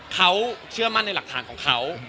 เขาเชื่อมั่นในหลักฐานของเขา